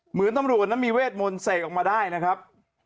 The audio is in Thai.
เหมือนตำรวจนั้นมีเวทมนต์เสกออกมาได้นะครับ